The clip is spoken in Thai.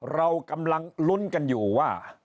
เรากำลังลุ้นกันอยู่ว่า